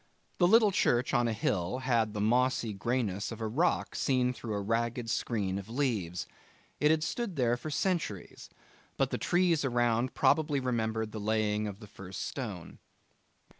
The little church on a hill had the mossy greyness of a rock seen through a ragged screen of leaves. It had stood there for centuries, but the trees around probably remembered the laying of the first stone.